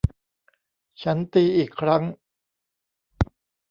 ฉันตีอีกครั้ง